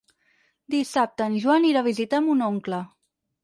Dissabte en Joan irà a visitar mon oncle.